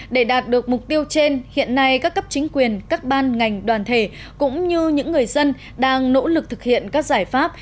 để đạt được mục tiêu trên hiện nay các cấp chính quyền các ban ngành đoàn thể cũng như những người dân đang nỗ lực thực hiện các giải pháp